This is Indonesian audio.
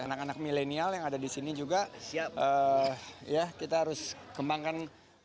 anak anak milenial yang ada di sini juga ya kita harus kembangkan